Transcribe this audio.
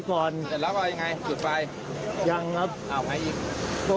พี่ลุกก่อน